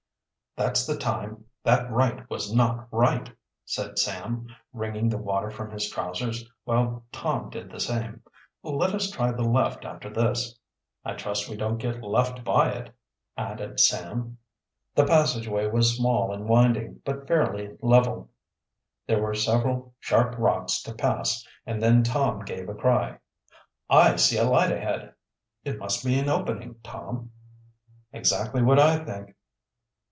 "That's the time that right was not right," said Sam, wringing the water from his trousers, while Tom did the same. "Let us try the left after this." "I trust we don't get left by it," added Sam. The passageway was small and winding, but fairly level. There were several sharp rocks to pass and then Tom gave a cry. "I see a light ahead!" "It must be an opening, Tam." "Exactly what I think."